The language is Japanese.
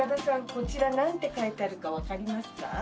こちらなんて書いてあるかわかりますか？